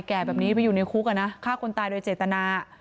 แก่แบบนี้ไปอยู่ในคุกอ่ะนะฆ่าคนตายโดยเจตนา